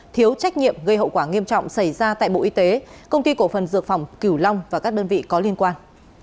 thiếu trách nhiệm gây hậu quả nghiêm trọng xảy ra tại bộ y tế công ty cổ phần dược phẩm cửu long và các đơn vị có liên quan